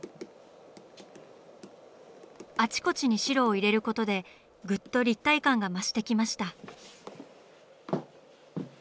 あちこちに白を入れることでグッと立体感が増してきました。